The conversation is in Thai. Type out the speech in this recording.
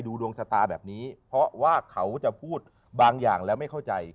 ดวงชะตาแบบนี้เพราะว่าเขาจะพูดบางอย่างแล้วไม่เข้าใจ